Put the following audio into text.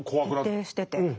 徹底してて。